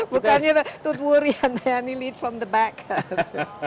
bukannya tud wuryan nayani memimpin dari belakang